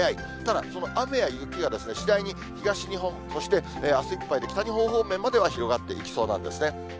ただ、その雨や雪が次第に東日本、そしてあすいっぱいで北日本方面までは広がっていきそうなんですね。